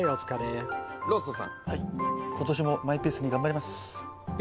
今年もマイペースに頑張ります。